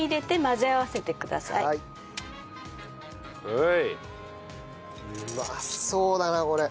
うまそうだなこれ。